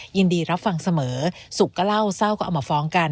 ยินดีรับฟังเสมอสุขก็เล่าเศร้าก็เอามาฟ้องกัน